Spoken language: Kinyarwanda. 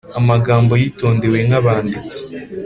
amagambo yitondewe nk'abanditsi,